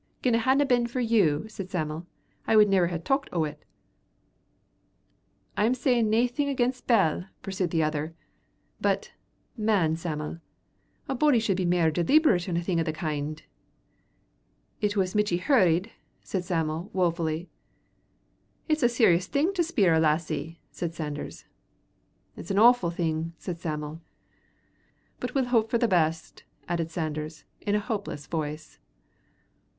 "Gin't hadna been for you," said Sam'l, "I wid never hae thocht o't." "I'm sayin' naething agin Bell," pursued the other, "but, man Sam'l, a body should be mair deleeberate in a thing o' the kind." "It was michty hurried," said Sam'l, wofully. "It's a serious thing to spier a lassie," said Sanders. "It's an awfu' thing," said Sam'l. "But we'll hope for the best," added Sanders, in a hopeless, voice.